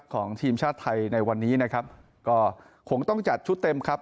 ของทีมชาติไทยในวันนี้นะครับก็คงต้องจัดชุดเต็มครับ